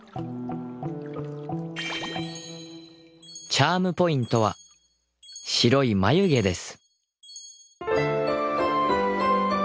チャームポイントは白いまゆ毛です